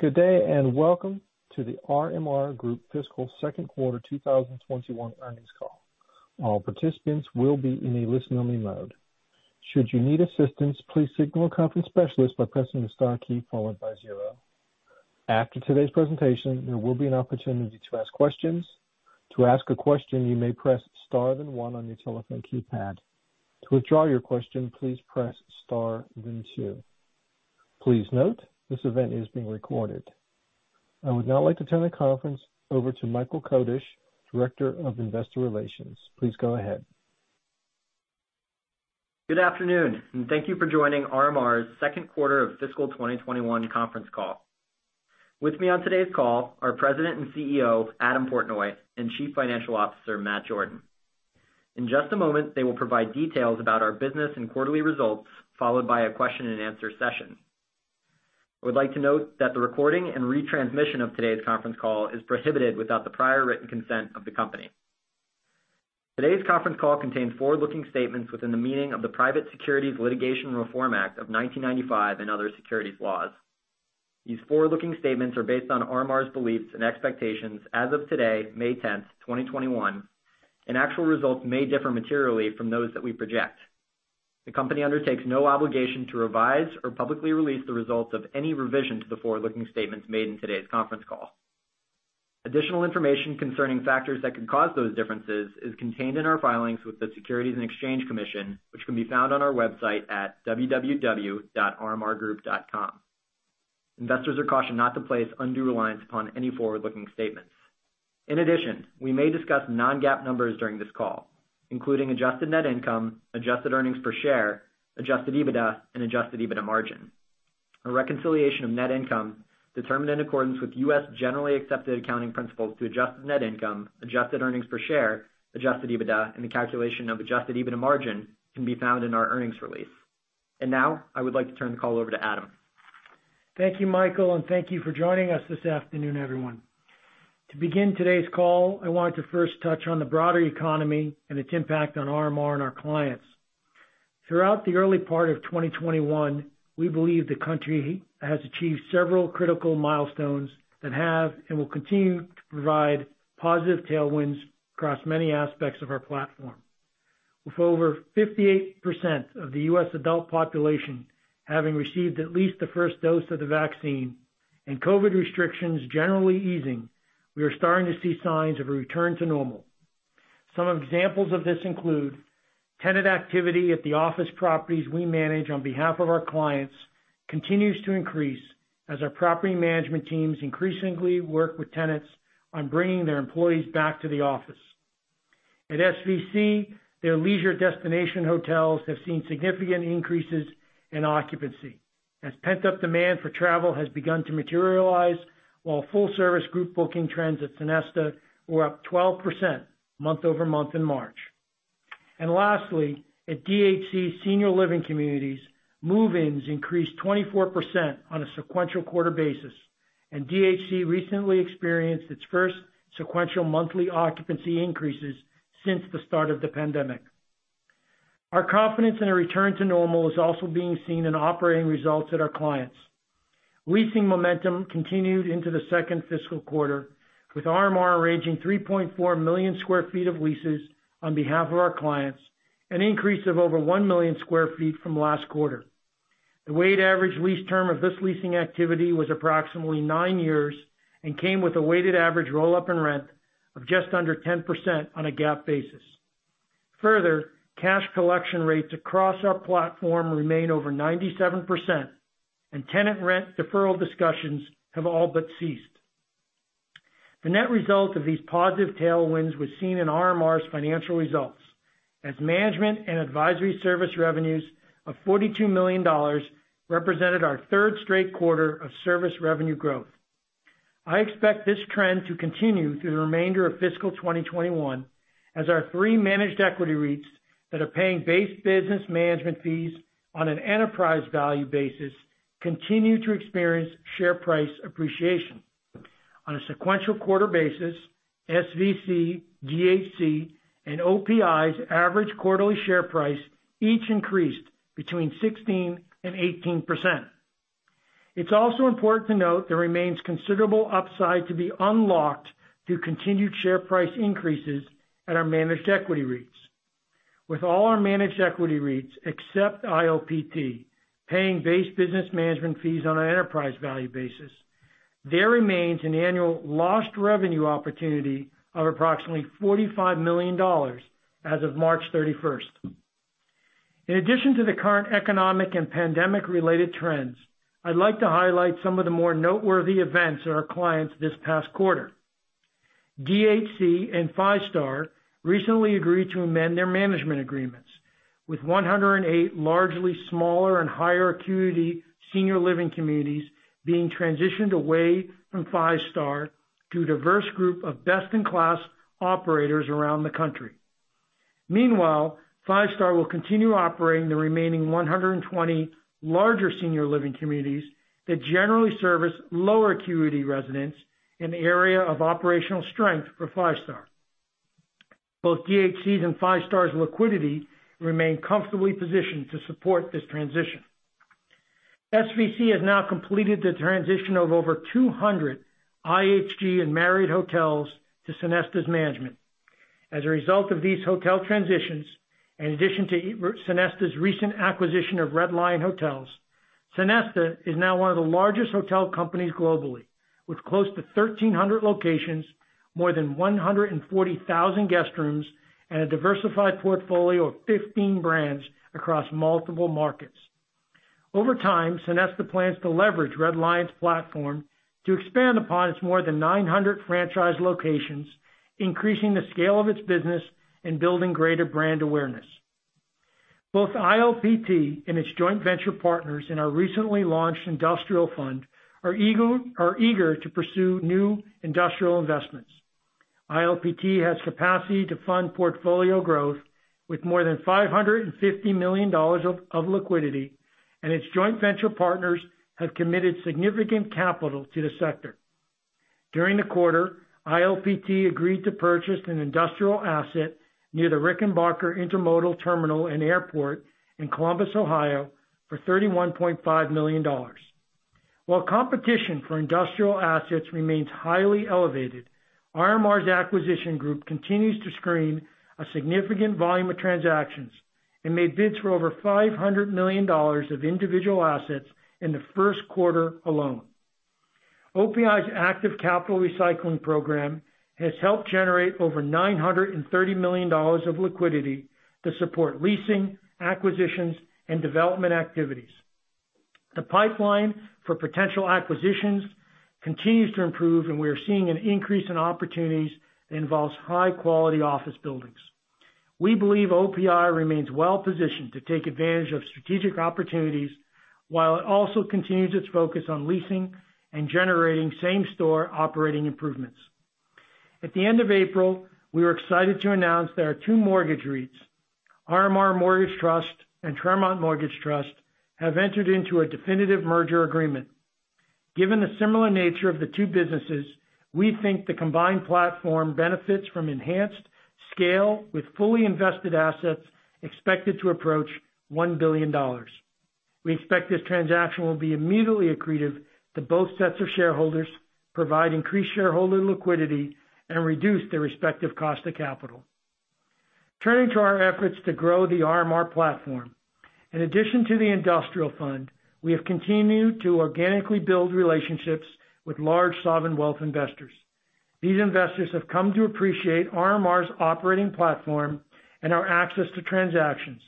Good day, and welcome to The RMR Group fiscal second quarter 2021 earnings call. All participants will be in a listen-only mode. Should you need assistance, please signal conference specialist by pressing star key followed by zero. After today's presentation, there will be an opportunity to ask questions. To ask a question, you may press star then one on your telephone keypad. To withdraw your question, please press star then two. Please note, this event is being recorded. I would now like to turn the conference over to Michael Kodesch, Director of Investor Relations. Please go ahead. Good afternoon. Thank you for joining RMR's second quarter of fiscal 2021 conference call. With me on today's call are President and CEO, Adam Portnoy, and Chief Financial Officer, Matt Jordan. In just a moment, they will provide details about our business and quarterly results, followed by a question and answer session. I would like to note that the recording and retransmission of today's conference call is prohibited without the prior written consent of the company. Today's conference call contains forward-looking statements within the meaning of the Private Securities Litigation Reform Act of 1995 and other securities laws. These forward-looking statements are based on RMR's beliefs and expectations as of today, May 10th, 2021, and actual results may differ materially from those that we project. The company undertakes no obligation to revise or publicly release the results of any revisions to the forward-looking statements made in today's conference call. Additional information concerning factors that could cause those differences is contained in our filings with the Securities and Exchange Commission, which can be found on our website at www.rmrgroup.com. Investors are cautioned not to place undue reliance upon any forward-looking statements. We may discuss non-GAAP numbers during this call, including adjusted net income, adjusted earnings per share, adjusted EBITDA, and adjusted EBITDA margin. A reconciliation of net income determined in accordance with United States Generally Accepted Accounting Principles to adjusted net income, adjusted earnings per share, adjusted EBITDA, and the calculation of adjusted EBITDA margin can be found in our earnings release. Now, I would like to turn the call over to Adam. Thank you, Michael, and thank you for joining us this afternoon, everyone. To begin today's call, I wanted to first touch on the broader economy and its impact on RMR and our clients. Throughout the early part of 2021, we believe the country has achieved several critical milestones that have and will continue to provide positive tailwinds across many aspects of our platform. With over 58% of the US adult population having received at least the first dose of the vaccine and COVID restrictions generally easing, we are starting to see signs of a return to normal. Some examples of this include tenant activity at the office properties we manage on behalf of our clients continues to increase as our property management teams increasingly work with tenants on bringing their employees back to the office. At SVC, their leisure destination hotels have seen significant increases in occupancy as pent-up demand for travel has begun to materialize, while full-service group booking trends at Sonesta were up 12% month-over-month in March. Lastly, at DHC Senior Living Communities, move-ins increased 24% on a sequential quarter basis, and DHC recently experienced its first sequential monthly occupancy increases since the start of the pandemic. Our confidence in a return to normal is also being seen in operating results at our clients. Leasing momentum continued into the second fiscal quarter, with RMR arranging 3.4 million sq ft of leases on behalf of our clients, an increase of over 1 million sq ft from last quarter. The weighted average lease term of this leasing activity was approximately nine years and came with a weighted average roll-up in rent of just under 10% on a GAAP basis. Further, cash collection rates across our platform remain over 97%, and tenant rent deferral discussions have all but ceased. The net result of these positive tailwinds was seen in RMR's financial results as management and advisory service revenues of $42 million represented our third straight quarter of service revenue growth. I expect this trend to continue through the remainder of fiscal 2021 as our three managed equity REITs that are paying base business management fees on an enterprise value basis continue to experience share price appreciation. On a sequential quarter basis, SVC, DHC, and OPI's average quarterly share price each increased between 16% and 18%. It's also important to note there remains considerable upside to be unlocked through continued share price increases at our managed equity REITs. With all our managed equity REITs, except ILPT, paying base business management fees on an enterprise value basis, there remains an annual lost revenue opportunity of approximately $45 million as of March 31st. In addition to the current economic and pandemic-related trends, I'd like to highlight some of the more noteworthy events at our clients this past quarter. DHC and Five Star recently agreed to amend their management agreements with 108 largely smaller and higher acuity senior living communities being transitioned away from Five Star to a diverse group of best-in-class operators around the country. Meanwhile, Five Star will continue operating the remaining 120 larger senior living communities that generally service lower acuity residents in the area of operational strength for Five Star. Both DHC's and Five Stars' liquidity remain comfortably positioned to support this transition. SVC has now completed the transition of over 200 IHG and Marriott hotels to Sonesta's management. As a result of these hotel transitions, in addition to Sonesta's recent acquisition of Red Lion Hotels, Sonesta is now one of the largest hotel companies globally, with close to 1,300 locations, more than 140,000 guest rooms, and a diversified portfolio of 15 brands across multiple markets. Over time, Sonesta plans to leverage Red Lion's platform to expand upon its more than 900 franchise locations, increasing the scale of its business and building greater brand awareness. Both ILPT and its joint venture partners in our recently launched industrial fund are eager to pursue new industrial investments. ILPT has capacity to fund portfolio growth with more than $550 million of liquidity, and its joint venture partners have committed significant capital to the sector. During the quarter, ILPT agreed to purchase an industrial asset near the Rickenbacker Intermodal Terminal and Airport in Columbus, Ohio, for $31.5 million. While competition for industrial assets remains highly elevated, RMR's acquisition group continues to screen a significant volume of transactions and made bids for over $500 million of individual assets in the first quarter alone. OPI's active capital recycling program has helped generate over $930 million of liquidity to support leasing, acquisitions, and development activities. The pipeline for potential acquisitions continues to improve, and we are seeing an increase in opportunities that involves high-quality office buildings. We believe OPI remains well-positioned to take advantage of strategic opportunities while it also continues its focus on leasing and generating same-store operating improvements. At the end of April, we were excited to announce that our two mortgage REITs, RMR Mortgage Trust and Tremont Mortgage Trust, have entered into a definitive merger agreement. Given the similar nature of the two businesses, we think the combined platform benefits from enhanced scale with fully invested assets expected to approach $1 billion. We expect this transaction will be immediately accretive to both sets of shareholders, provide increased shareholder liquidity, and reduce their respective cost of capital. Turning to our efforts to grow the RMR platform. In addition to the industrial fund, we have continued to organically build relationships with large sovereign wealth investors. These investors have come to appreciate RMR's operating platform and our access to transactions,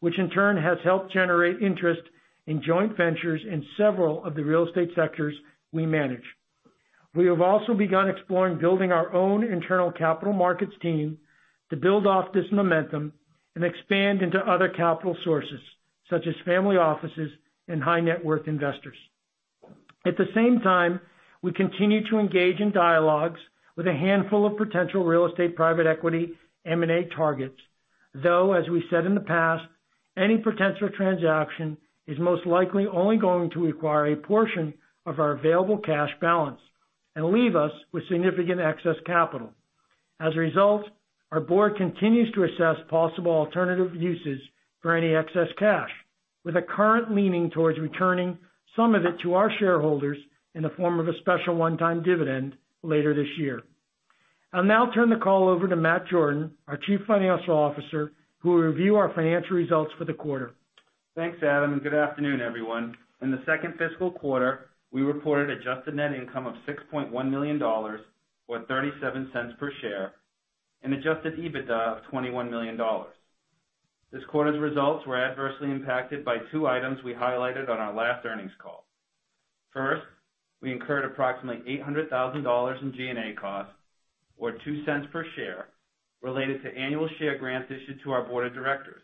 which in turn has helped generate interest in joint ventures in several of the real estate sectors we manage. We have also begun exploring building our own internal capital markets team to build off this momentum and expand into other capital sources, such as family offices and high-net-worth investors. We continue to engage in dialogues with a handful of potential real estate private equity M&A targets. As we said in the past, any potential transaction is most likely only going to acquire a portion of our available cash balance and leave us with significant excess capital. As a result our board continues to assess possible alternative uses for any excess cash, with a current leaning towards returning some of it to our shareholders in the form of a special one-time dividend later this year. I'll now turn the call over to Matt Jordan, our Chief Financial Officer, who will review our financial results for the quarter. Thanks, Adam, and good afternoon, everyone. In the second fiscal quarter, we reported adjusted net income of $6.1 million, or $0.37 per share, and adjusted EBITDA of $21 million. This quarter's results were adversely impacted by two items we highlighted on our last earnings call. First, we incurred approximately $800,000 in G&A costs, or $0.02 per share, related to annual share grants issued to our board of directors.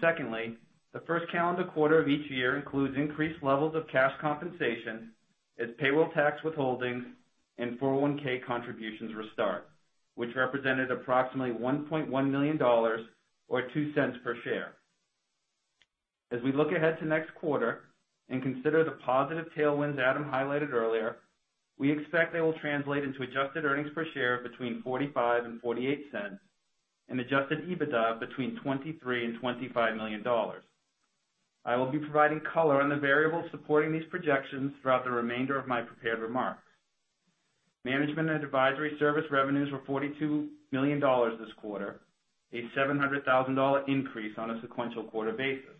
Secondly, the first calendar quarter of each year includes increased levels of cash compensation as payroll tax withholdings and 401(k) contributions restart, which represented approximately $1.1 million, or $0.02 per share. As we look ahead to next quarter and consider the positive tailwinds Adam highlighted earlier, we expect they will translate into adjusted earnings per share of between $0.45 and $0.48 and adjusted EBITDA between $23 million and $25 million. I will be providing color on the variables supporting these projections throughout the remainder of my prepared remarks. Management and advisory service revenues were $42 million this quarter, a $700,000 increase on a sequential quarter basis.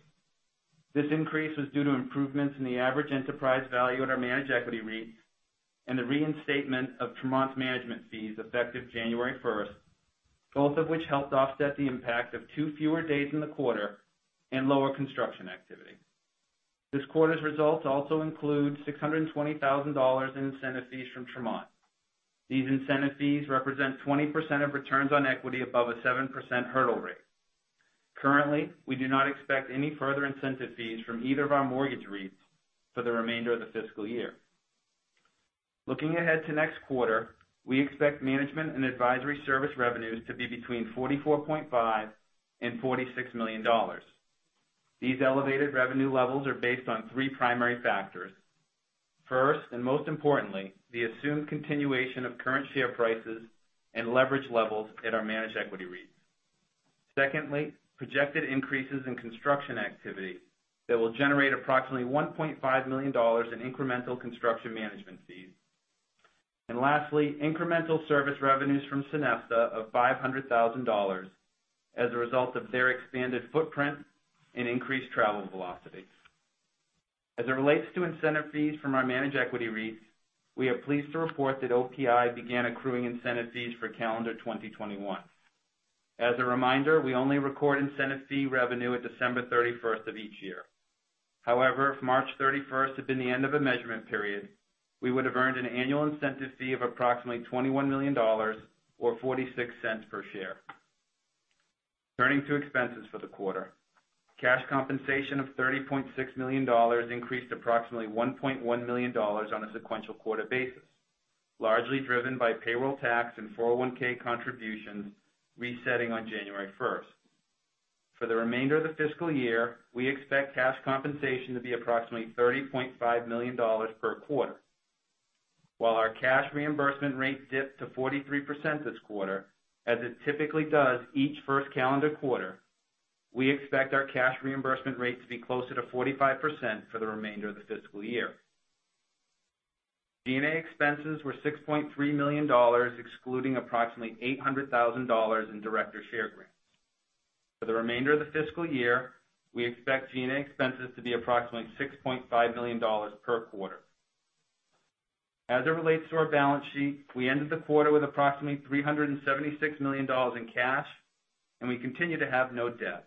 This increase was due to improvements in the average enterprise value at our managed equity REITs and the reinstatement of Tremont's management fees effective January 1st, both of which helped offset the impact of two fewer days in the quarter and lower construction activity. This quarter's results also include $620,000 in incentive fees from Tremont. These incentive fees represent 20% of returns on equity above a 7% hurdle rate. Currently, we do not expect any further incentive fees from either of our mortgage REITs for the remainder of the fiscal year. Looking ahead to next quarter, we expect management and advisory service revenues to be between $44.5 million and $46 million. These elevated revenue levels are based on three primary factors. First, and most importantly, the assumed continuation of current share prices and leverage levels at our managed equity REITs. Secondly, projected increases in construction activity that will generate approximately $1.5 million in incremental construction management fees. Lastly, incremental service revenues from Sonesta of $500,000 as a result of their expanded footprint and increased travel velocity. As it relates to incentive fees from our managed equity REITs, we are pleased to report that OPI began accruing incentive fees for calendar 2021. As a reminder, we only record incentive fee revenue at December 31st of each year. However, if March 31st had been the end of a measurement period, we would have earned an annual incentive fee of approximately $21 million or $0.46 per share. Turning to expenses for the quarter. Cash compensation of $30.6 million increased approximately $1.1 million on a sequential quarter basis, largely driven by payroll tax and 401(k) contributions resetting on January 1st. For the remainder of the fiscal year, we expect cash compensation to be approximately $30.5 million per quarter. While our cash reimbursement rate dipped to 43% this quarter, as it typically does each first calendar quarter, we expect our cash reimbursement rate to be closer to 45% for the remainder of the fiscal year. G&A expenses were $6.3 million, excluding approximately $800,000 in director share grants. For the remainder of the fiscal year, we expect G&A expenses to be approximately $6.5 million per quarter. As it relates to our balance sheet, we ended the quarter with approximately $376 million in cash, and we continue to have no debt.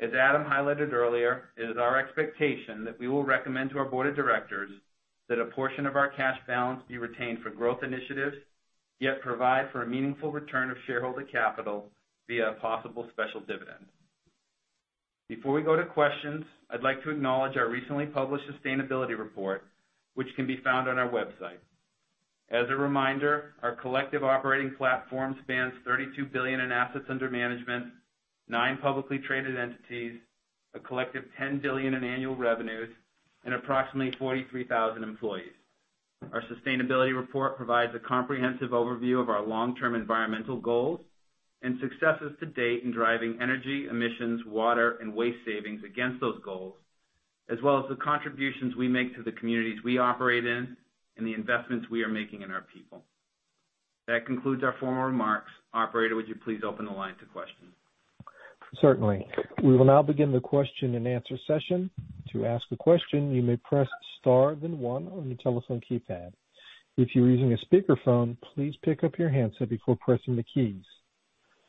As Adam highlighted earlier, it is our expectation that we will recommend to our board of directors that a portion of our cash balance be retained for growth initiatives, yet provide for a meaningful return of shareholder capital via a possible special dividend. Before we go to questions, I'd like to acknowledge our recently published sustainability report, which can be found on our website. As a reminder, our collective operating platform spans $32 billion in assets under management, nine publicly traded entities, a collective $10 billion in annual revenues, and approximately 43,000 employees. Our sustainability report provides a comprehensive overview of our long-term environmental goals and successes to date in driving energy, emissions, water, and waste savings against those goals, as well as the contributions we make to the communities we operate in and the investments we are making in our people. That concludes our formal remarks. Operator, would you please open the line to questions? Certainly. We will now begin the question and answer session. To ask a question, you may press star then one on your telephone keypad. If you are using a speakerphone, please pick up your handset before pressing the keys.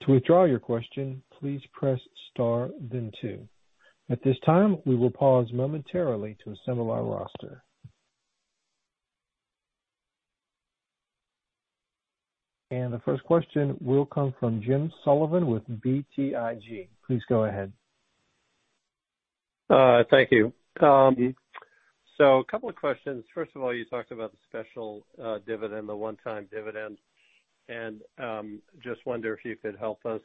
To withdraw your question, please press star then two. At this time, we will pause momentarily to assemble our roster. The first question will come from James Sullivan with BTIG. Please go ahead. Thank you. A couple of questions. First of all, you talked about the special dividend, the one-time dividend, I just wonder if you could help us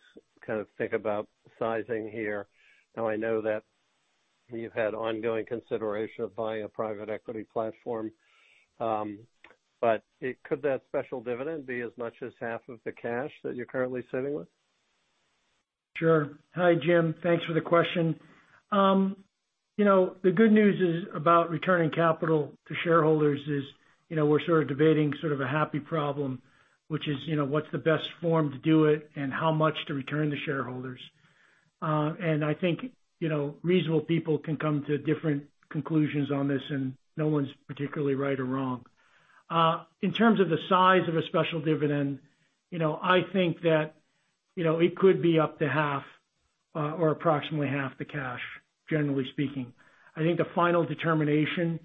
kind of think about sizing here. I know that you've had ongoing consideration of buying a private equity platform. Could that special dividend be as much as half of the cash that you're currently sitting with? Sure. Hi, James. Thanks for the question. The good news is about returning capital to shareholders is we're sort of debating sort of a happy problem, which is what's the best form to do it and how much to return to shareholders. I think reasonable people can come to different conclusions on this, and no one's particularly right or wrong. In terms of the size of a special dividend, I think that it could be up to half or approximately half the cash, generally speaking. I think the final determination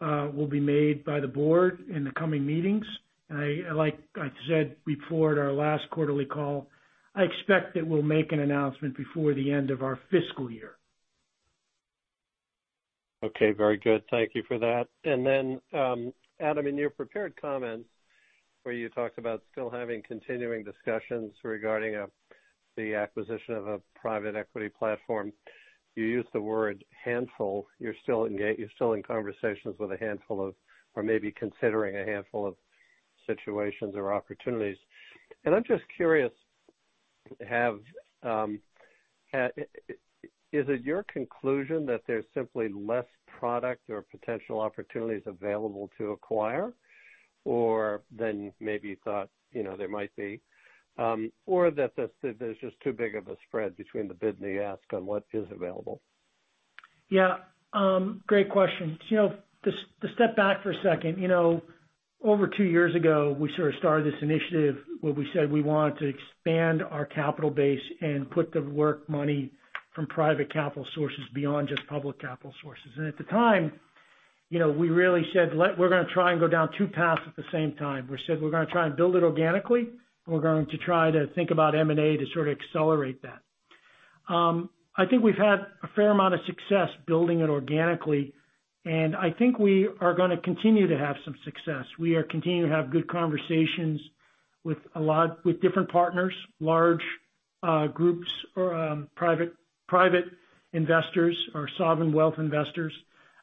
will be made by the board in the coming meetings. Like I said before at our last quarterly call, I expect that we'll make an announcement before the end of our fiscal year. Okay, very good. Thank you for that. Adam, in your prepared comments where you talked about still having continuing discussions regarding the acquisition of a private equity platform, you used the word handful. You're still in conversations with a handful of, or maybe considering a handful of situations or opportunities. I'm just curious, is it your conclusion that there's simply less product or potential opportunities available to acquire than maybe you thought there might be, or that there's just too big of a spread between the bid and the ask on what is available? Yeah. Great question. To step back for a second, over two years ago, we sort of started this initiative where we said we wanted to expand our capital base and put the work money from private capital sources beyond just public capital sources. At the time, we really said we're going to try and go down two paths at the same time. We said we're going to try and build it organically. We're going to try to think about M&A to sort of accelerate that. I think we've had a fair amount of success building it organically, and I think we are going to continue to have some success. We are continuing to have good conversations With a lot with different partners, large groups or private investors or sovereign wealth investors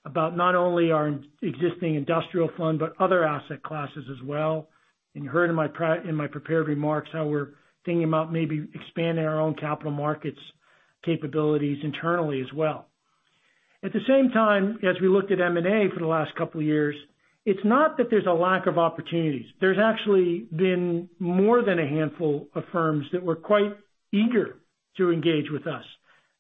about not only our existing industrial fund, but other asset classes as well. You heard in my prepared remarks how we're thinking about maybe expanding our own capital markets capabilities internally as well. At the same time, as we looked at M&A for the last couple of years, it's not that there's a lack of opportunities. There's actually been more than a handful of firms that were quite eager to engage with us,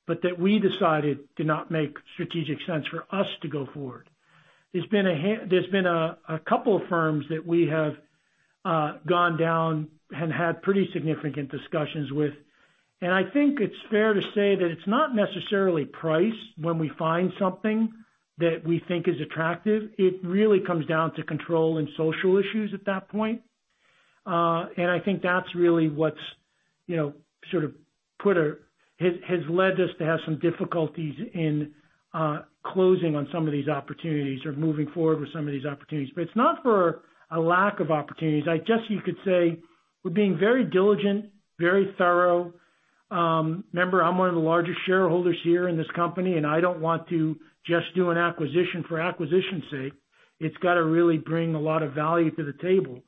but that we decided did not make strategic sense for us to go forward. There's been a couple of firms that we have gone down and had pretty significant discussions with. I think it's fair to say that it's not necessarily price when we find something that we think is attractive. It really comes down to control and social issues at that point. I think that's really what has led us to have some difficulties in closing on some of these opportunities or moving forward with some of these opportunities. It's not for a lack of opportunities. I guess you could say we're being very diligent, very thorough. Remember, I'm one of the largest shareholders here in this company, and I don't want to just do an acquisition for acquisition's sake. It's got to really bring a lot of value to the table.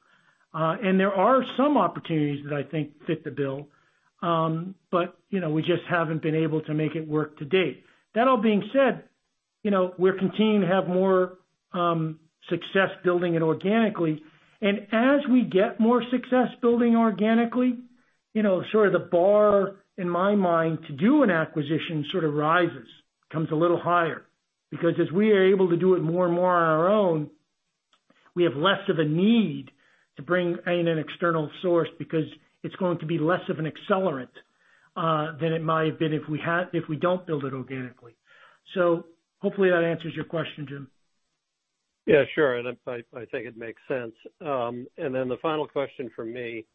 There are some opportunities that I think fit the bill. We just haven't been able to make it work to date. That all being said, we're continuing to have more success building it organically. As we get more success building organically, sort of the bar in my mind to do an acquisition sort of rises, comes a little higher, because as we are able to do it more and more on our own, we have less of a need to bring in an external source because it's going to be less of an accelerant, than it might have been if we don't build it organically. Hopefully that answers your question, James. Yeah, sure. I think it makes sense. The final question from me.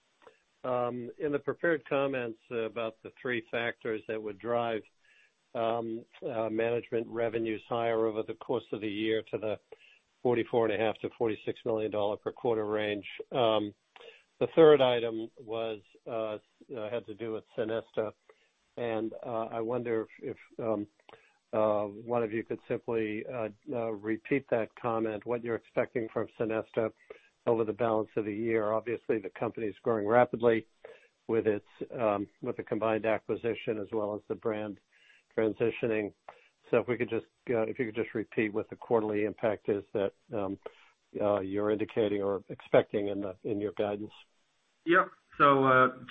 In the prepared comments about the three factors that would drive management revenues higher over the course of the year to the $44.5 million-$46 million per quarter range. The third item had to do with Sonesta, and I wonder if one of you could simply repeat that comment, what you're expecting from Sonesta over the balance of the year. Obviously, the company is growing rapidly with the combined acquisition as well as the brand transitioning. If you could just repeat what the quarterly impact is that you're indicating or expecting in your guidance.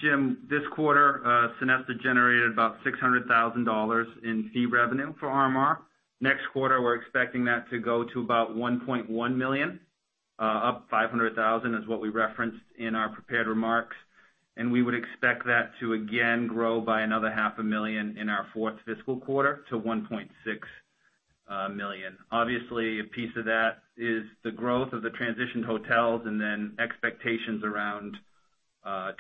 James, this quarter, Sonesta generated about $600,000 in fee revenue for RMR. Next quarter, we're expecting that to go to about $1.1 million, up $500,000 is what we referenced in our prepared remarks. We would expect that to again grow by another $500,000 in our fourth fiscal quarter to $1.6 million. Obviously, a piece of that is the growth of the transitioned hotels, expectations around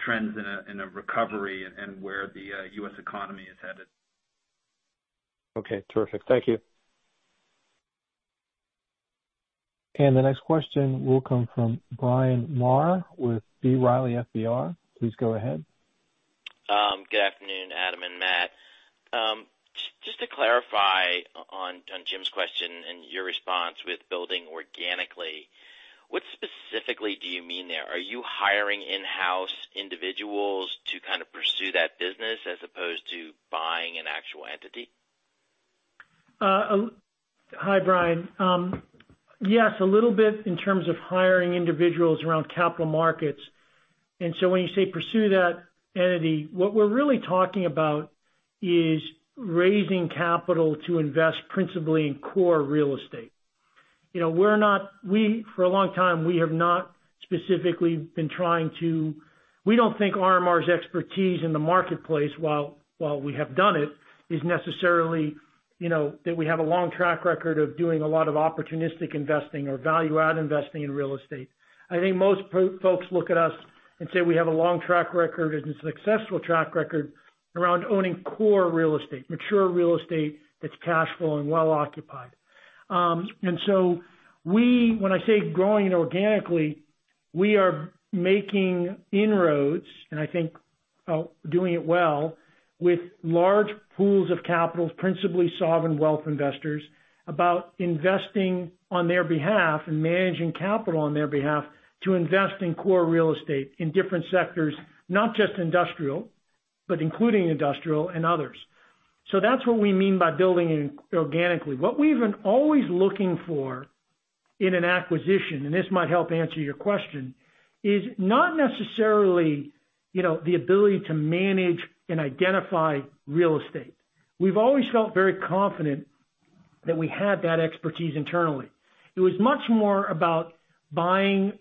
trends in a recovery and where the US economy is headed. Okay, terrific. Thank you. The next question will come from Bryan Maher with B. Riley Securities. Please go ahead. Good afternoon, Adam and Matt. Just to clarify on Jim's question and your response with building organically, what specifically do you mean there? Are you hiring in-house individuals to kind of pursue that business as opposed to buying an actual entity? Hi, Bryan. Yes, a little bit in terms of hiring individuals around capital markets. When you say pursue that entity, what we're really talking about is raising capital to invest principally in core real estate. For a long time, we have not specifically been We don't think RMR's expertise in the marketplace, while we have done it, is necessarily that we have a long track record of doing a lot of opportunistic investing or value-add investing in real estate. I think most folks look at us and say we have a long track record and a successful track record around owning core real estate, mature real estate that's cash flow and well occupied. When I say growing organically, we are making inroads, and I think doing it well with large pools of capital, principally sovereign wealth investors, about investing on their behalf and managing capital on their behalf to invest in core real estate in different sectors, not just industrial, but including industrial and others. That's what we mean by building organically. What we've been always looking for in an acquisition, and this might help answer your question, is not necessarily the ability to manage and identify real estate. We've always felt very confident that we had that expertise internally. It was much more about buying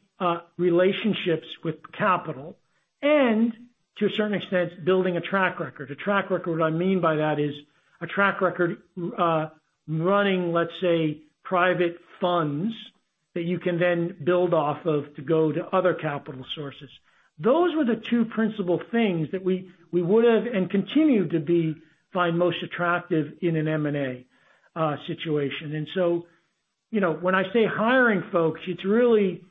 relationships with capital and to a certain extent, building a track record. A track record, what I mean by that is a track record running, let's say, private funds that you can then build off of to go to other capital sources. Those were the two principal things that we would have and continue to find most attractive in an M&A situation. When I say hiring folks, it's really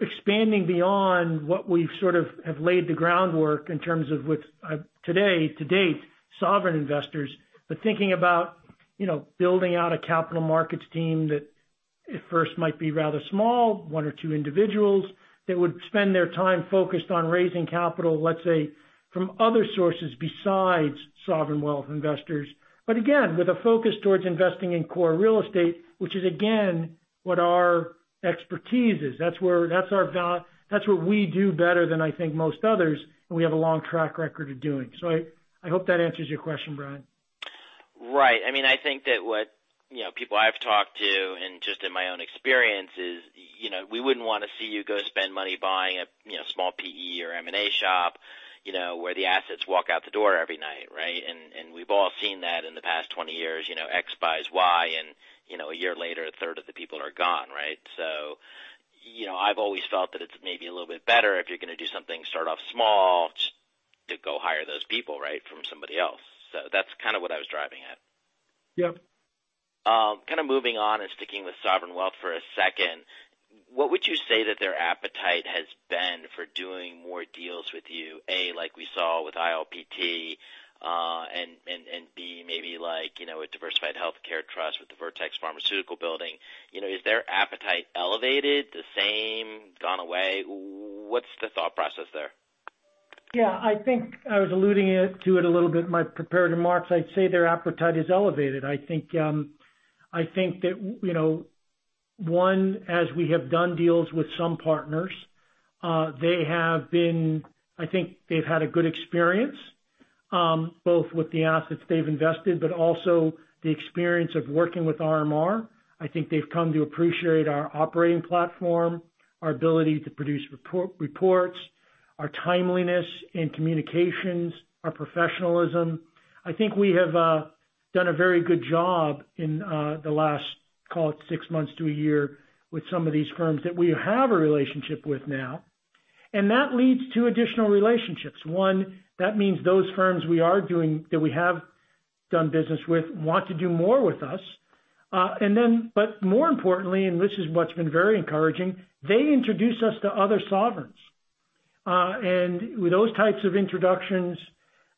expanding beyond what we've sort of laid the groundwork in terms of with today, to date, sovereign investors. Thinking about building out a capital markets team that at first might be rather small, one or two individuals that would spend their time focused on raising capital, let's say, from other sources besides sovereign wealth investors. Again, with a focus towards investing in core real estate, which is again, what our expertise is. That's what we do better than I think most others, and we have a long track record of doing. I hope that answers your question, Bryan. Right. I think that what people I've talked to, and just in my own experience is, we wouldn't want to see you go spend money buying a small PE or M&A shop, where the assets walk out the door every night, right? We've all seen that in the past 20 years, X buys Y, and a year later, a third of the people are gone, right? I've always felt that it's maybe a little bit better if you're going to do something, start off small to go hire those people from somebody else. That's kind of what I was driving at. Yep. Kind of moving on and sticking with sovereign wealth for a second. What would you say that their appetite has been for doing more deals with you, A, like we saw with ILPT, and B, maybe like a Diversified Healthcare Trust with the Vertex Pharmaceuticals building? Is their appetite elevated, the same, gone away? What's the thought process there? Yeah, I think I was alluding to it a little bit in my prepared remarks. I'd say their appetite is elevated. I think that, one, as we have done deals with some partners, I think they've had a good experience, both with the assets they've invested, but also the experience of working with RMR. I think they've come to appreciate our operating platform, our ability to produce reports, our timeliness in communications, our professionalism. I think we have done a very good job in the last, call it six months to a year, with some of these firms that we have a relationship with now, and that leads to additional relationships. One, that means those firms we have done business with want to do more with us. More importantly, and this is what's been very encouraging, they introduce us to other sovereigns. With those types of introductions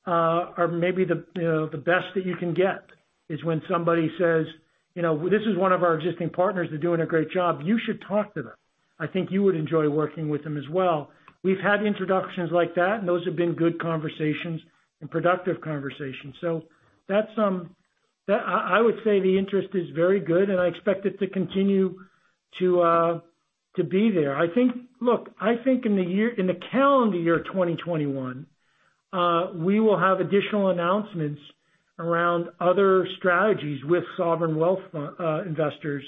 are maybe the best that you can get is when somebody says, "This is one of our existing partners. They're doing a great job. You should talk to them. I think you would enjoy working with them as well." We've had introductions like that, and those have been good conversations and productive conversations. I would say the interest is very good, and I expect it to continue to be there. Look, I think in the calendar year 2021, we will have additional announcements around other strategies with sovereign wealth investors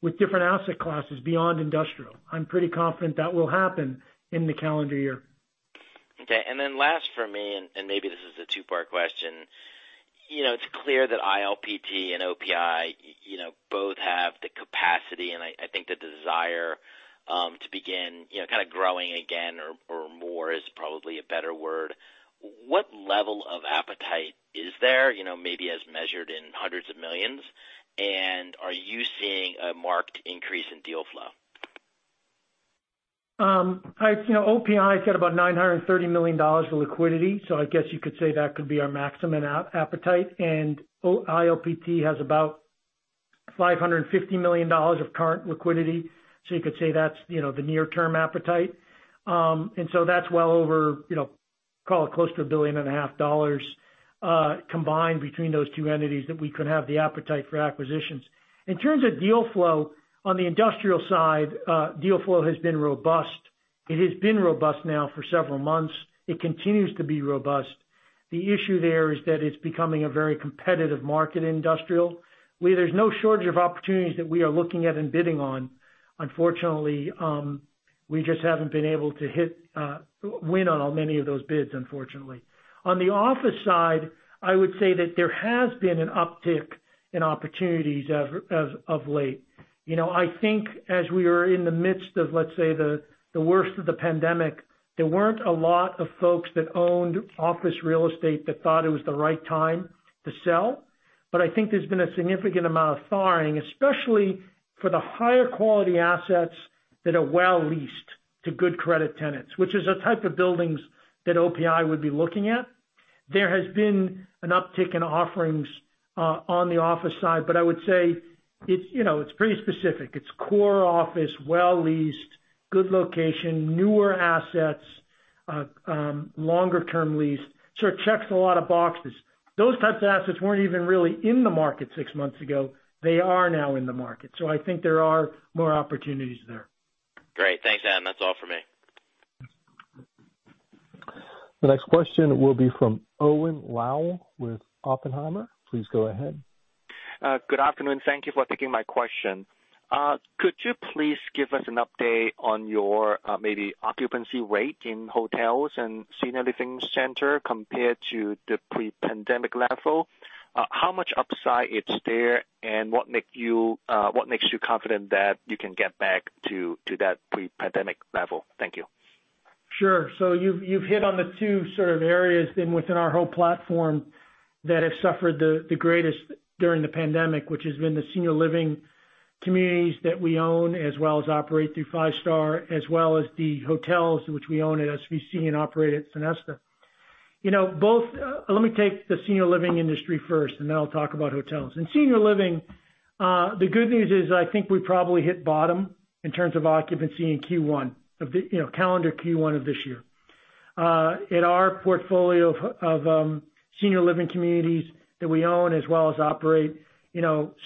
with different asset classes beyond industrial. I'm pretty confident that will happen in the calendar year. Okay. Last for me, and maybe this is a two-part question. It's clear that ILPT and OPI, both have the capacity and I think the desire to begin kind of growing again or more is probably a better word. What level of appetite is there maybe as measured in 100s of millions? Are you seeing a marked increase in deal flow? OPI's got about $930 million of liquidity. I guess you could say that could be our maximum appetite. ILPT has about $550 million of current liquidity. You could say that's the near-term appetite. That's well over, call it close to $1.5 billion, combined between those two entities that we could have the appetite for acquisitions. In terms of deal flow on the industrial side, deal flow has been robust. It has been robust now for several months. It continues to be robust. The issue there is that it's becoming a very competitive market industrial, where there's no shortage of opportunities that we are looking at and bidding on. Unfortunately, we just haven't been able to win on many of those bids, unfortunately. On the office side, I would say that there has been an uptick in opportunities as of late. I think as we are in the midst of, let's say, the worst of the pandemic, there weren't a lot of folks that owned office real estate that thought it was the right time to sell. I think there's been a significant amount of thawing, especially for the higher quality assets that are well leased to good credit tenants, which is a type of buildings that OPI would be looking at. There has been an uptick in offerings on the office side, but I would say it's pretty specific. It's core office, well leased, good location, newer assets, longer term lease. It checks a lot of boxes. Those types of assets weren't even really in the market six months ago. They are now in the market. I think there are more opportunities there. Great. Thanks, Adam. That's all for me. The next question will be from Owen Lau with Oppenheimer. Please go ahead. Good afternoon. Thank you for taking my question. Could you please give us an update on your maybe occupancy rate in hotels and senior living center compared to the pre-pandemic level? How much upside is there, and what makes you confident that you can get back to that pre-pandemic level? Thank you. Sure. You've hit on the two sort of areas then within our whole platform that have suffered the greatest during the pandemic, which has been the senior living communities that we own as well as operate through Five Star, as well as the hotels which we own at SVC and operate at Sonesta. Let me take the senior living industry first, and then I'll talk about hotels. In senior living, the good news is I think we probably hit bottom in terms of occupancy in calendar Q1 of this year. In our portfolio of senior living communities that we own as well as operate,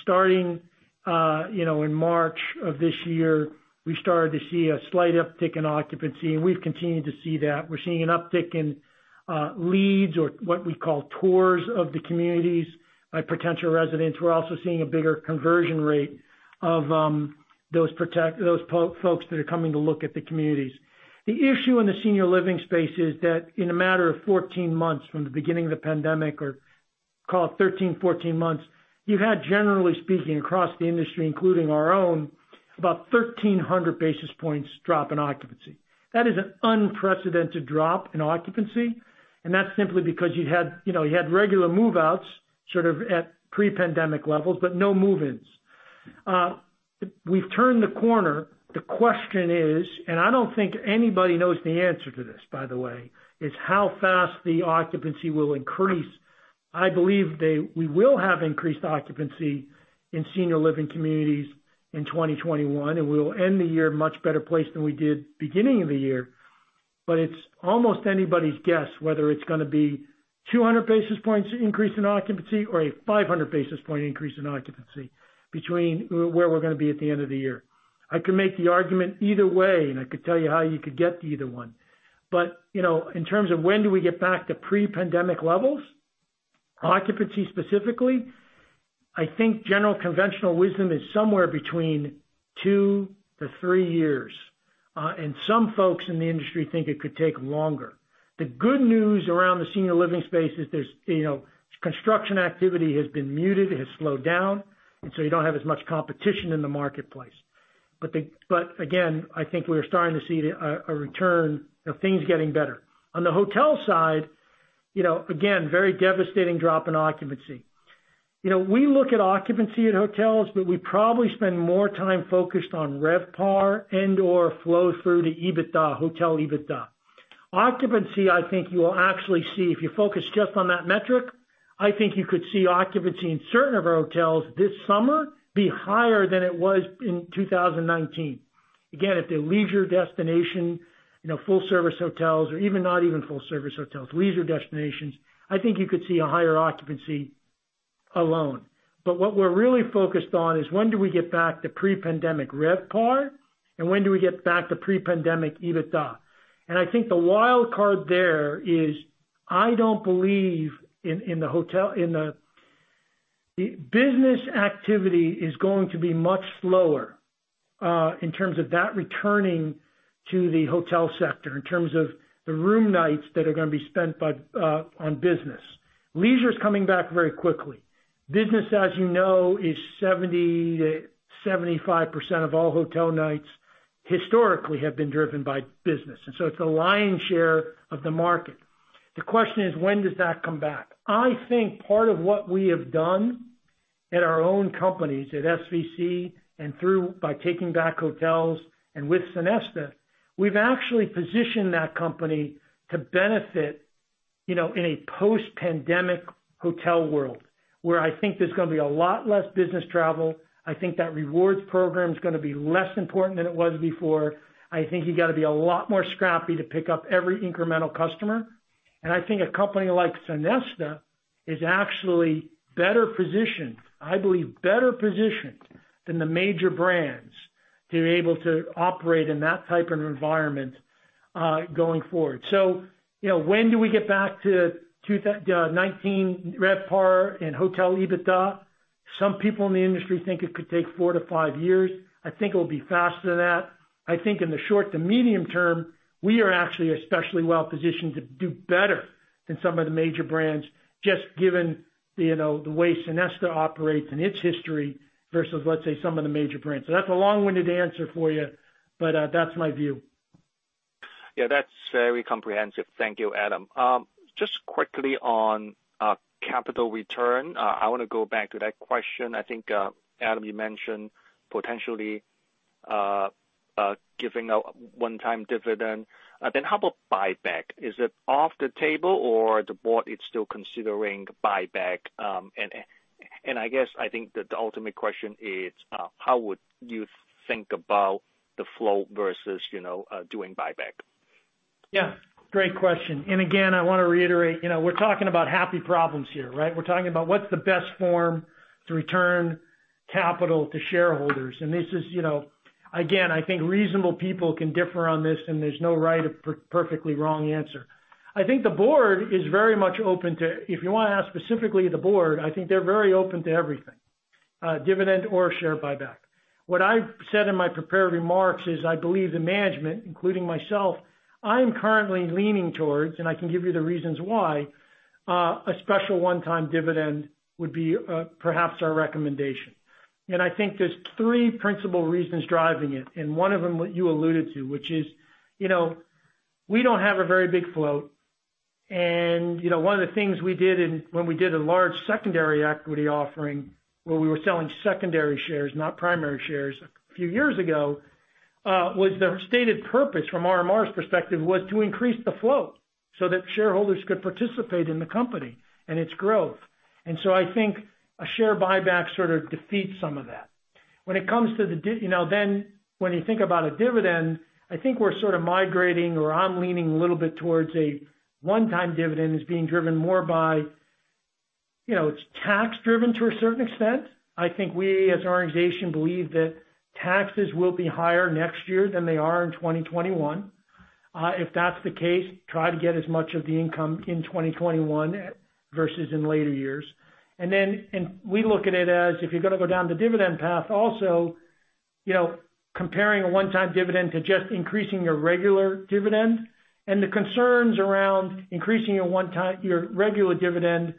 starting in March of this year, we started to see a slight uptick in occupancy, and we've continued to see that. We're seeing an uptick in leads or what we call tours of the communities by potential residents. We're also seeing a bigger conversion rate of those folks that are coming to look at the communities. The issue in the senior living space is that in a matter of 14 months from the beginning of the pandemic, or call it 13 months, 14 months, you've had, generally speaking, across the industry, including our own, about 1,300 basis points drop in occupancy. That is an unprecedented drop in occupancy, and that's simply because you had regular move-outs sort of at pre-pandemic levels, but no move-ins. We've turned the corner. The question is, and I don't think anybody knows the answer to this, by the way, is how fast the occupancy will increase. I believe we will have increased occupancy in senior living communities in 2021, and we will end the year much better place than we did beginning of the year. It's almost anybody's guess whether it's going to be 200 basis points increase in occupancy or a 500 basis point increase in occupancy between where we're going to be at the end of the year. I could make the argument either way, and I could tell you how you could get to either one. In terms of when do we get back to pre-pandemic levels, occupancy specifically, I think general conventional wisdom is somewhere between two years-three years. Some folks in the industry think it could take longer. The good news around the senior living space is construction activity has been muted, it has slowed down, and so you don't have as much competition in the marketplace. Again, I think we are starting to see a return of things getting better. On the hotel side, again, very devastating drop in occupancy. We look at occupancy at hotels, but we probably spend more time focused on RevPAR and/or flow through to EBITDA, hotel EBITDA. Occupancy, I think you will actually see, if you focus just on that metric, I think you could see occupancy in certain of our hotels this summer be higher than it was in 2019. Again, at the leisure destination, full service hotels or even not even full service hotels, leisure destinations, I think you could see a higher occupancy alone. What we're really focused on is when do we get back to pre-pandemic RevPAR and when do we get back to pre-pandemic EBITDA? I think the wild card there is I don't believe the business activity is going to be much slower, in terms of that returning to the hotel sector, in terms of the room nights that are going to be spent on business. Leisure is coming back very quickly. Business, as you know, is 70%-75% of all hotel nights historically have been driven by business. It's a lion's share of the market. The question is when does that come back? I think part of what we have done at our own companies, at SVC and by taking back hotels and with Sonesta, we've actually positioned that company to benefit in a post-pandemic hotel world where I think there's going to be a lot less business travel. I think that rewards program is going to be less important than it was before. I think you got to be a lot more scrappy to pick up every incremental customer. I think a company like Sonesta is actually better positioned, I believe, better positioned than the major brands to be able to operate in that type of environment, going forward. When do we get back to 2019 RevPAR and hotel EBITDA? Some people in the industry think it could take four to five years. I think it will be faster than that. I think in the short to medium term, we are actually especially well positioned to do better than some of the major brands just given the way Sonesta operates and its history versus, let's say, some of the major brands. That's a long-winded answer for you, but that's my view. Yeah, that's very comprehensive. Thank you, Adam. Just quickly on capital return, I want to go back to that question. I think, Adam, you mentioned potentially giving a one-time dividend. How about buyback? Is it off the table or the board is still considering buyback? I guess I think that the ultimate question is how would you think about the flow versus doing buyback? Yeah. Great question. Again, I want to reiterate, we're talking about happy problems here, right? We're talking about what's the best form to return capital to shareholders. This is, again, I think reasonable people can differ on this, and there's no right or perfectly wrong answer. I think the board is very much open to If you want to ask specifically the board, I think they're very open to everything, dividend or share buyback. What I said in my prepared remarks is I believe the management, including myself, I am currently leaning towards, and I can give you the reasons why, a special one-time dividend would be perhaps our recommendation. I think there's three principal reasons driving it. One of them, what you alluded to, which is, we don't have a very big float. One of the things we did when we did a large secondary equity offering, where we were selling secondary shares, not primary shares, a few years ago, was the stated purpose from RMR's perspective, was to increase the float so that shareholders could participate in the company and its growth. I think a share buyback sort of defeats some of that. When you think about a dividend, I think we're sort of migrating or I'm leaning a little bit towards a one-time dividend is being driven more by, it's tax-driven to a certain extent. I think we, as an organization, believe that taxes will be higher next year than they are in 2021. If that's the case, try to get as much of the income in 2021 versus in later years. We look at it as if you're going to go down the dividend path also, comparing a one-time dividend to just increasing your regular dividend and the concerns around increasing your regular dividend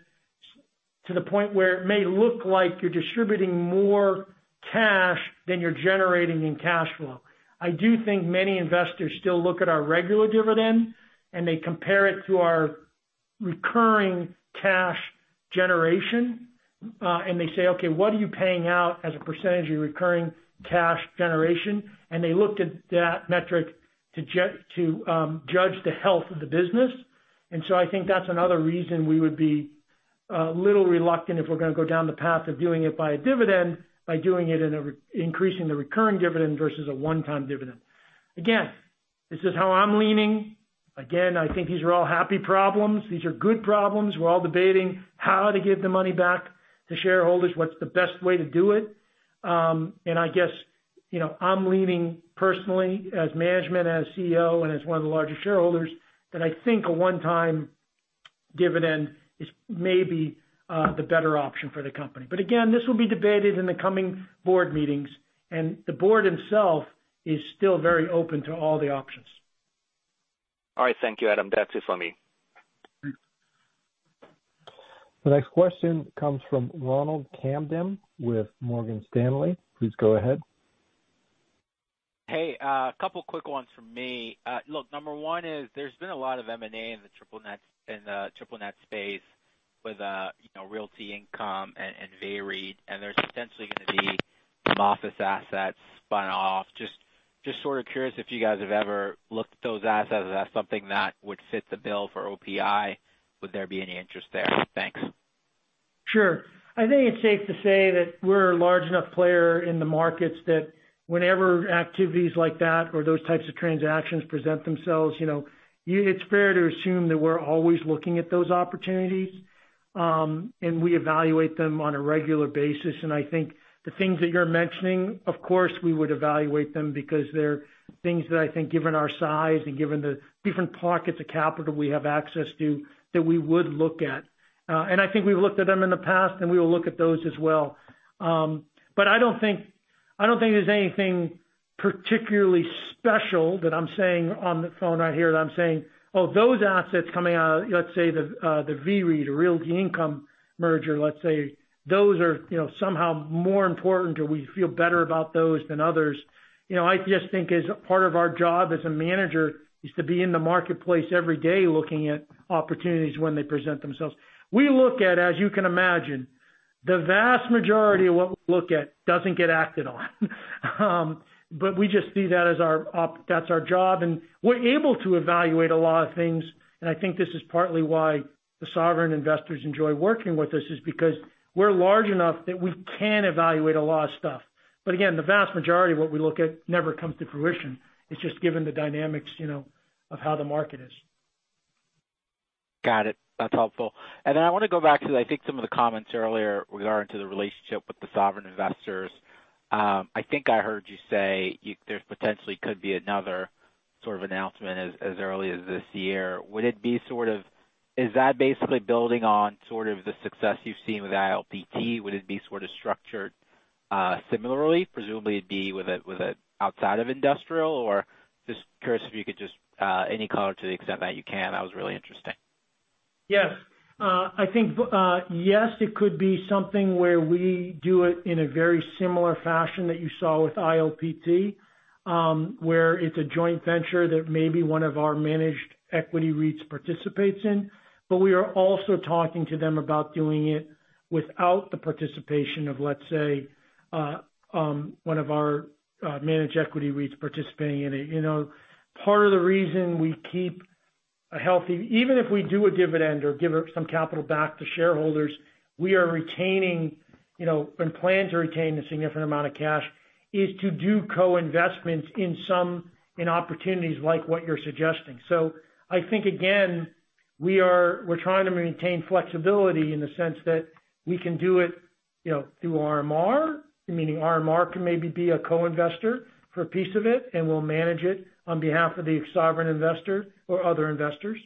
to the point where it may look like you're distributing more cash than you're generating in cash flow. I do think many investors still look at our regular dividend, and they compare it to our recurring cash generation. They say, "Okay, what are you paying out as a percentage of your recurring cash generation?" They look at that metric to judge the health of the business. I think that's another reason we would be a little reluctant if we're going to go down the path of doing it by a dividend, by doing it in increasing the recurring dividend versus a one-time dividend. Again, this is how I'm leaning. I think these are all happy problems. These are good problems. We're all debating how to give the money back to shareholders, what's the best way to do it. I guess, I'm leaning personally as management, as CEO, and as one of the largest shareholders, that I think a one-time dividend is maybe the better option for the company. Again, this will be debated in the coming board meetings, and the board itself is still very open to all the options. All right. Thank you, Adam. That's it for me. The next question comes from Ronald Kamdem with Morgan Stanley. Please go ahead. Hey, a couple quick ones from me. Look, number one is there's been a lot of M&A in the triple net space with Realty Income and VEREIT, there's potentially going to be some office assets spun off. Sort of curious if you guys have ever looked at those assets as something that would fit the bill for OPI. Would there be any interest there? Thanks. Sure. I think it's safe to say that we're a large enough player in the markets that whenever activities like that or those types of transactions present themselves, it's fair to assume that we're always looking at those opportunities, and we evaluate them on a regular basis. I think the things that you're mentioning, of course, we would evaluate them because they're things that I think given our size and given the different pockets of capital we have access to, that we would look at. I think we've looked at them in the past, and we will look at those as well. I don't think there's anything particularly special that I'm saying on the phone right here that I'm saying, "Oh, those assets coming out of, let's say, the VEREIT or Realty Income merger, let's say, those are somehow more important, or we feel better about those than others." I just think as part of our job as a manager is to be in the marketplace every day looking at opportunities when they present themselves. We look at, as you can imagine, the vast majority of what we look at doesn't get acted on. We just see that as our job, and we're able to evaluate a lot of things, and I think this is partly why the sovereign investors enjoy working with us, is because we're large enough that we can evaluate a lot of stuff. Again, the vast majority of what we look at never comes to fruition. It's just given the dynamics of how the market is. Got it. That's helpful. I want to go back to, I think some of the comments earlier regarding to the relationship with the sovereign investors. I think I heard you say there potentially could be another sort of announcement as early as this year. Is that basically building on sort of the success you've seen with ILPT? Would it be sort of structured similarly? Presumably, it'd be with it outside of industrial? Just curious if you could any color to the extent that you can. That was really interesting. Yes. I think yes it could be something where we do it in a very similar fashion that you saw with ILPT, where it's a joint venture that maybe one of our managed equity REITs participates in. We are also talking to them about doing it without the participation of, let's say, one of our managed equity REITs participating in it. Part of the reason we keep a healthy, even if we do a dividend or give some capital back to shareholders, we are retaining and plan to retain a significant amount of cash, is to do co-investments in opportunities like what you're suggesting. I think, again, we're trying to maintain flexibility in the sense that we can do it through RMR, meaning RMR can maybe be a co-investor for a piece of it, and we'll manage it on behalf of the sovereign investor or other investors.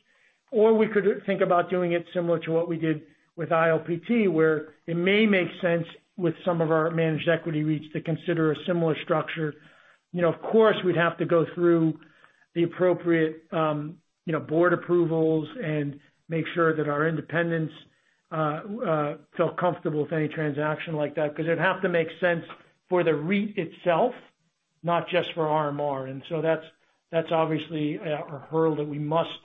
We could think about doing it similar to what we did with ILPT, where it may make sense with some of our managed equity REITs to consider a similar structure. Of course, we'd have to go through the appropriate board approvals and make sure that our independents feel comfortable with any transaction like that, because it'd have to make sense for the REIT itself, not just for RMR. That's obviously a hurdle that we must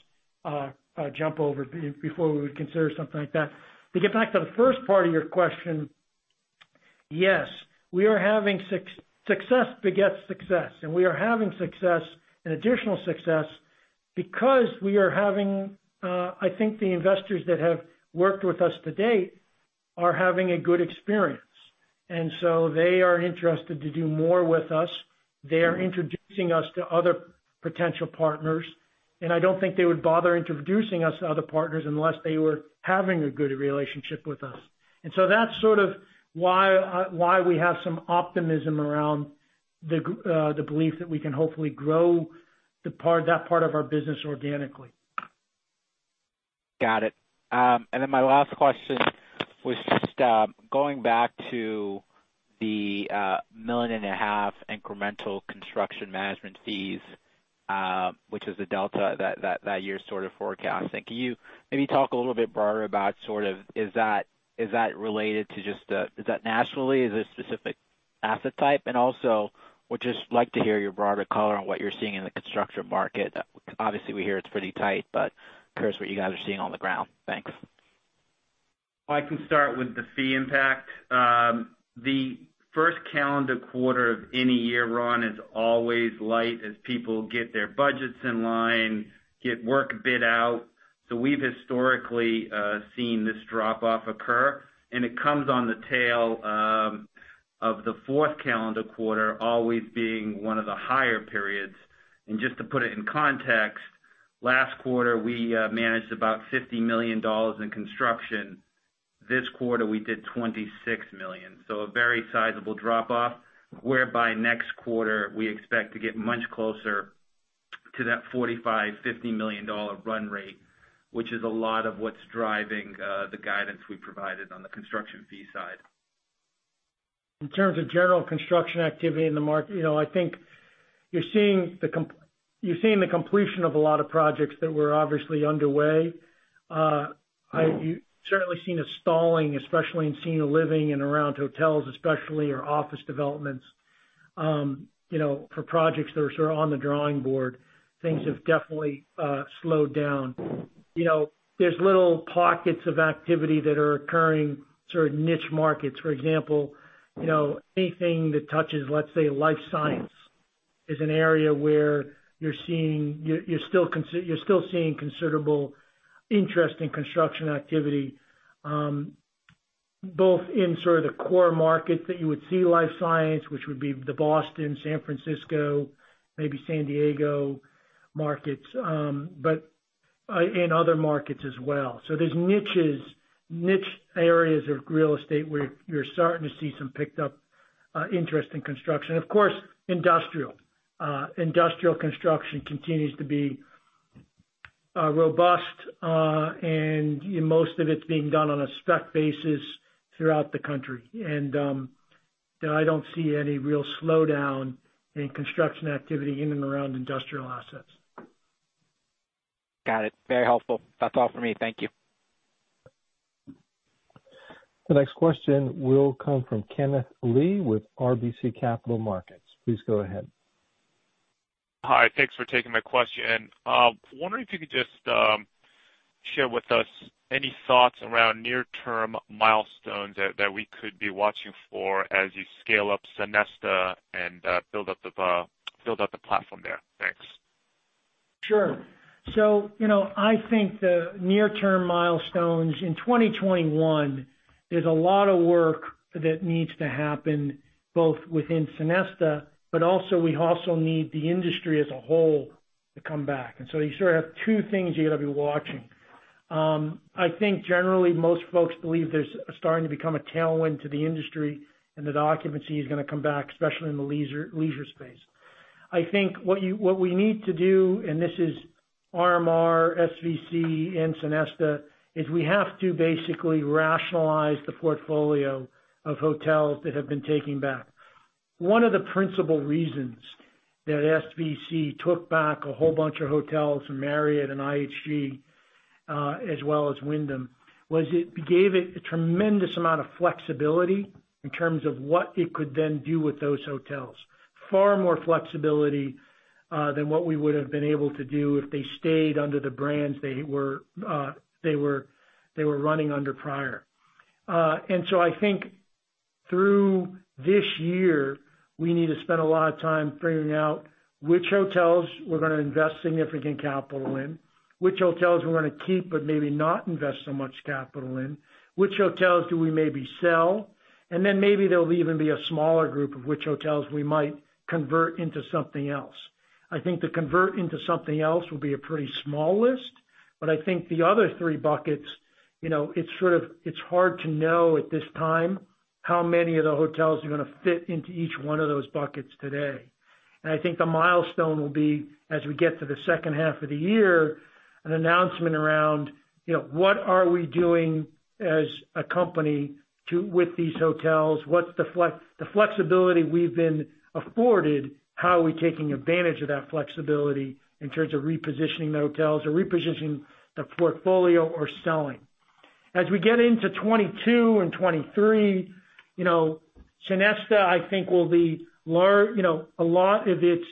jump over before we would consider something like that. To get back to the first part of your question, yes, success begets success, and we are having success and additional success because we are having, I think the investors that have worked with us to date are having a good experience. They are interested to do more with us. They are introducing us to other potential partners, and I don't think they would bother introducing us to other partners unless they were having a good relationship with us. That's sort of why we have some optimism around the belief that we can hopefully grow that part of our business organically. Got it. My last question was just going back to the $1.5 million incremental construction management fees, which is the delta that you're sort of forecasting. Can you maybe talk a little bit broader about sort of, is that related to just is that nationally, is this specific asset type? Would just like to hear your broader color on what you're seeing in the construction market. Obviously, we hear it's pretty tight, curious what you guys are seeing on the ground. Thanks. I can start with the fee impact. The first calendar quarter of any year, Ronald, is always light as people get their budgets in line, get work bid out. We've historically seen this drop off occur, it comes on the tail of the fourth calendar quarter always being one of the higher periods. Just to put it in context, last quarter, we managed about $50 million in construction. This quarter, we did $26 million. A very sizable drop off, whereby next quarter, we expect to get much closer to that $45 million, $50 million run rate, which is a lot of what's driving the guidance we provided on the construction fee side. In terms of general construction activity in the market, I think you're seeing the completion of a lot of projects that were obviously underway. You've certainly seen a stalling, especially in senior living and around hotels especially, or office developments, for projects that are sort of on the drawing board. Things have definitely slowed down. There's little pockets of activity that are occurring, sort of niche markets. For example, anything that touches, let's say, life science, is an area where you're still seeing considerable interest in construction activity, both in sort of the core markets that you would see life science, which would be the Boston, San Francisco, maybe San Diego markets, but in other markets as well. There's niche areas of real estate where you're starting to see some picked up interest in construction. Of course, industrial. Industrial construction continues to be robust, and most of it's being done on a spec basis throughout the country. I don't see any real slowdown in construction activity in and around industrial assets. Got it. Very helpful. That's all for me. Thank you. The next question will come from Kenneth Lee with RBC Capital Markets. Please go ahead. Hi. Thanks for taking my question. Wondering if you could just share with us any thoughts around near term milestones that we could be watching for as you scale up Sonesta and build up the platform there. Thanks. Sure. I think the near term milestones in 2021, there's a lot of work that needs to happen both within Sonesta, but also we also need the industry as a whole to come back. You sort of have two things you got to be watching. I think generally, most folks believe there's starting to become a tailwind to the industry and that occupancy is going to come back, especially in the leisure space. I think what we need to do, and this is RMR, SVC, and Sonesta, is we have to basically rationalize the portfolio of hotels that have been taken back. One of the principal reasons that SVC took back a whole bunch of hotels from Marriott and IHG, as well as Wyndham, was it gave it a tremendous amount of flexibility in terms of what it could then do with those hotels. Far more flexibility than what we would have been able to do if they stayed under the brands they were running under prior. I think through this year, we need to spend a lot of time figuring out which hotels we're going to invest significant capital in, which hotels we're going to keep but maybe not invest so much capital in, which hotels do we maybe sell, and then maybe there'll even be a smaller group of which hotels we might convert into something else. I think the convert into something else will be a pretty small list, I think the other three buckets, it's hard to know at this time how many of the hotels are going to fit into each one of those buckets today. I think the milestone will be, as we get to the second half of the year, an announcement around what are we doing as a company with these hotels? What's the flexibility we've been afforded? How are we taking advantage of that flexibility in terms of repositioning the hotels or repositioning the portfolio or selling? As we get into 2022 and 2023, Sonesta, I think a lot of its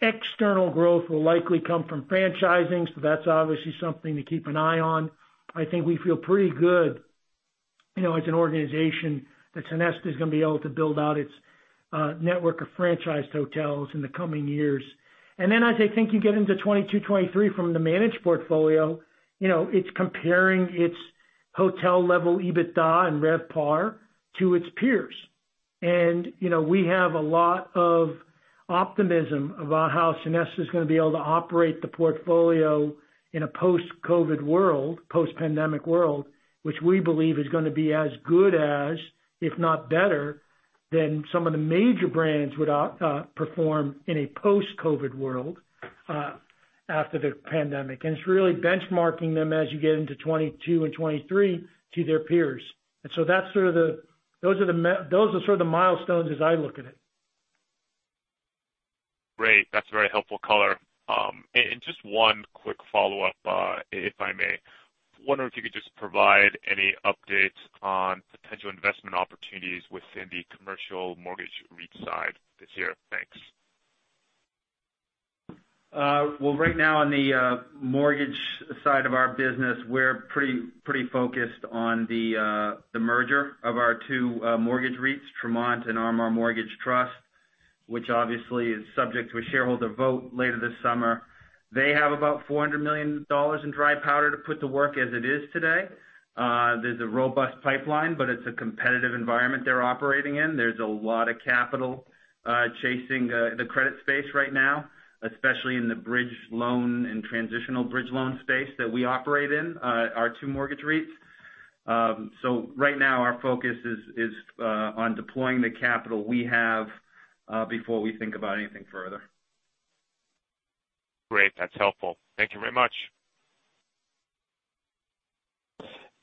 external growth will likely come from franchising. That's obviously something to keep an eye on. I think we feel pretty good as an organization that Sonesta is going to be able to build out its network of franchised hotels in the coming years. As I think you get into 2022, 2023 from the managed portfolio, it's comparing its hotel-level EBITDA and RevPAR to its peers. We have a lot of optimism about how Sonesta is going to be able to operate the portfolio in a post-COVID world, post-pandemic world, which we believe is going to be as good as, if not better, than some of the major brands would perform in a post-COVID world after the pandemic. It's really benchmarking them as you get into 2022 and 2023 to their peers. Those are the milestones as I look at it. Great. That's a very helpful color. Just one quick follow-up, if I may. Wondering if you could just provide any updates on potential investment opportunities within the commercial mortgage REIT side this year. Thanks. Right now on the mortgage side of our business, we're pretty focused on the merger of our two mortgage REITs, Tremont and RMR Mortgage Trust, which obviously is subject to a shareholder vote later this summer. They have about $400 million in dry powder to put to work as it is today. There's a robust pipeline, but it's a competitive environment they're operating in. There's a lot of capital chasing the credit space right now, especially in the bridge loan and transitional bridge loan space that we operate in, our two mortgage REITs. Right now our focus is on deploying the capital we have before we think about anything further. Great. That's helpful. Thank you very much.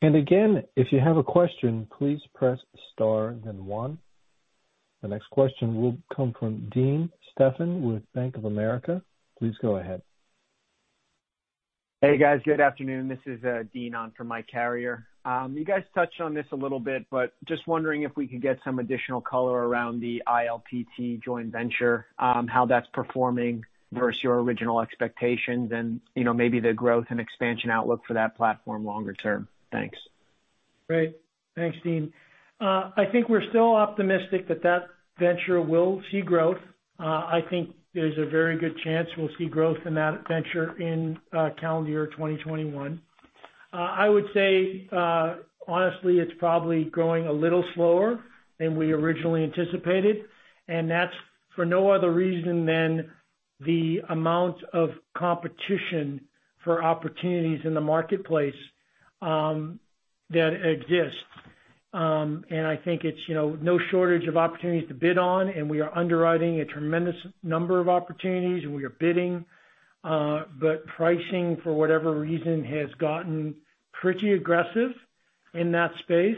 Again, if you have a question, please press star then one. The next question will come from Dean Stephan with Bank of America. Please go ahead. Hey, guys. Good afternoon. This is Dean Stephan on for Michael Carrier. You guys touched on this a little bit, just wondering if we could get some additional color around the ILPT joint venture, how that's performing versus your original expectations and maybe the growth and expansion outlook for that platform longer term. Thanks. Great. Thanks, Dean. I think we're still optimistic that that venture will see growth. I think there's a very good chance we'll see growth in that venture in calendar year 2021. I would say, honestly, it's probably growing a little slower than we originally anticipated, and that's for no other reason than the amount of competition for opportunities in the marketplace that exists. I think it's no shortage of opportunities to bid on, and we are underwriting a tremendous number of opportunities and we are bidding. Pricing, for whatever reason, has gotten pretty aggressive in that space.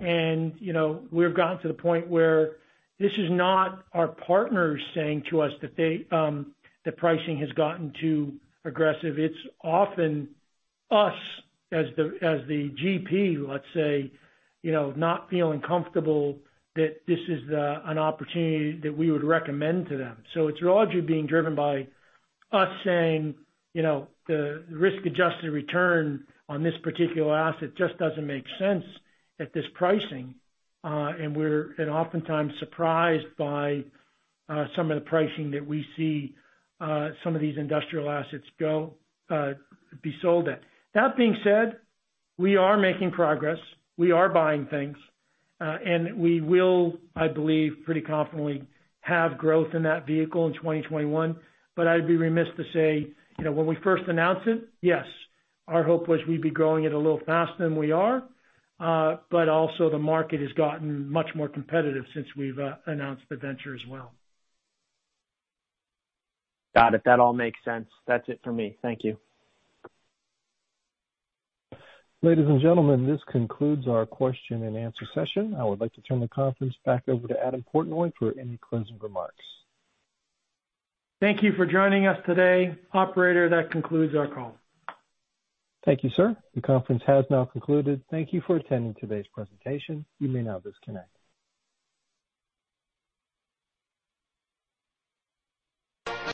We've gotten to the point where this is not our partners saying to us that the pricing has gotten too aggressive. It's often us as the GP, let's say, not feeling comfortable that this is an opportunity that we would recommend to them. It's largely being driven by us saying the risk-adjusted return on this particular asset just doesn't make sense at this pricing. Oftentimes surprised by some of the pricing that we see some of these industrial assets be sold at. That being said, we are making progress. We are buying things. We will, I believe, pretty confidently, have growth in that vehicle in 2021. I'd be remiss to say, when we first announced it, yes, our hope was we'd be growing it a little faster than we are. Also the market has gotten much more competitive since we've announced the venture as well. Got it. That all makes sense. That's it for me. Thank you. Ladies and gentlemen, this concludes our question-and-answer session. I would like to turn the conference back over to Adam Portnoy for any closing remarks. Thank you for joining us today. Operator, that concludes our call. Thank you, sir. The conference has now concluded. Thank you for attending today's presentation. You may now disconnect.